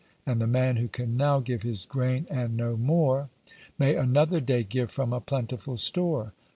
And the man who can now give his grain, and no more, May another day give from a plentiful store.